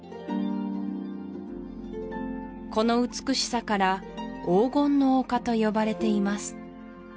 この美しさから黄金の丘と呼ばれています